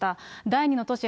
第２の都市